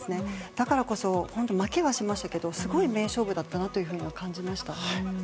だからこそ、負けはしましたけどすごい名勝負だったなと感じました。